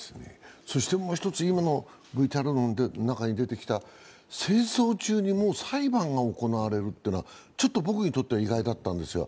もう一つ、今のＶＴＲの中に出てきた、戦争中に裁判が行われるというのは、ちょっと僕にとっては意外だったんですよ。